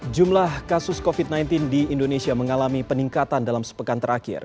jumlah kasus covid sembilan belas di indonesia mengalami peningkatan dalam sepekan terakhir